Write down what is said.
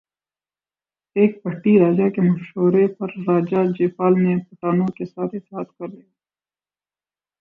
ایک بھٹی راجہ کے مشورے پر راجہ جے پال نے پٹھانوں کے ساتھ اتحاد کر لیا